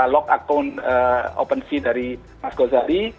kita log akun opensea dari mas ghazali